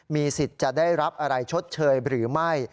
มีสิทธิ์จะได้รับอะไรชดเชยหรือไม่